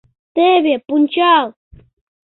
Теве — пунчал!